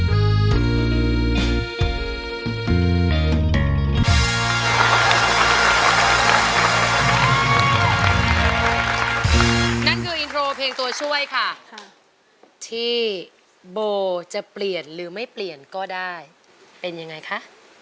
นั่นคืออินโทรเพลงตัวช่วยค่ะที่โบจะเปลี่ยนหรือไม่เปลี่ยนก็ได้เป็นยังไงคะ